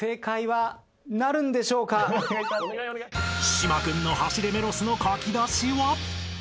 ［島君の『走れメロス』の書き出しは？］